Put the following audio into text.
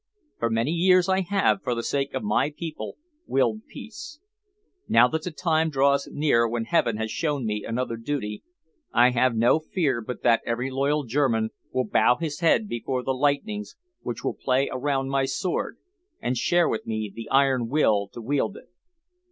For many years I have, for the sake of my people, willed peace. Now that the time draws near when Heaven has shown me another duty, I have no fear but that every loyal German will bow his head before the lightnings which will play around my sword and share with me the iron will to wield it.